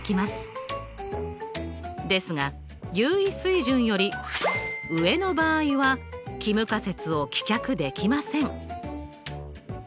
ですが有意水準より上の場合は帰無仮説を棄却できません。